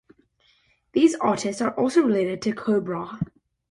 These artists are also related to CoBrA.